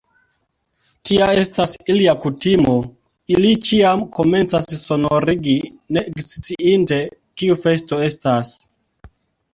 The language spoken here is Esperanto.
Tia estas ilia kutimo; ili ĉiam komencas sonorigi, ne eksciinte, kiu festo estas!